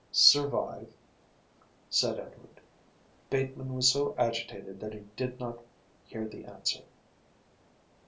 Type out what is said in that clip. "Survive," said Edward. Bateman was so agitated that he did not hear the answer.